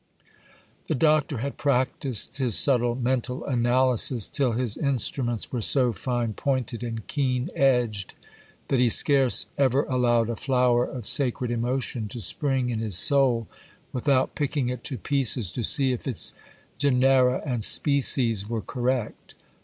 The Doctor had practised his subtile mental analysis till his instruments were so fine pointed and keen edged that he scarce ever allowed a flower of sacred emotion to spring in his soul without picking it to pieces to see if its genera and species were correct.